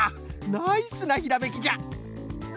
ナイスなひらめきじゃ！